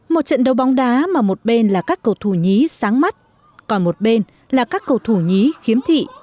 một trận đấu bóng đá mà một bên là các cầu thủ nhí sáng mắt còn một bên là các cầu thủ nhí khiếm thị